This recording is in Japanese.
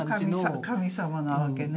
神様なわけね。